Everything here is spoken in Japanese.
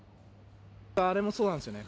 あれもそうなんですよね。